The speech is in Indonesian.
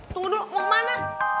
tunggu dulu mau kemana